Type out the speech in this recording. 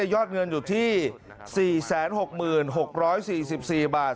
ยอดเงินอยู่ที่๔๖๖๔๔บาท